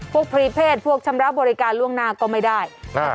พรีเพศพวกชำระบริการล่วงหน้าก็ไม่ได้